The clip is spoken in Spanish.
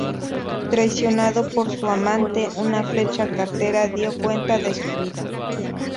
Traicionado por su amante, una flecha certera dio cuenta de su vida.